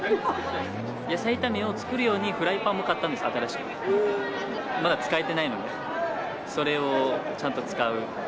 野菜炒めを作る用に新しくフライパンも買ったんですけどまだ使えてないのでそれをちゃんと使う。